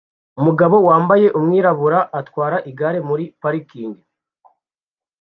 Umugabo wambaye umwirabura atwara igare muri parikingi